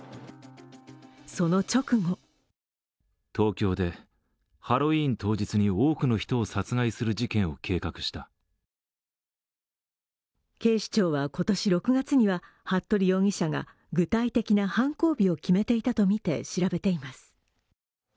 その直後警視庁は今年６月には服部容疑者が具体的な犯行日を決めていたとみて調べています。